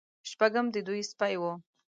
شپږم د دوی سپی و.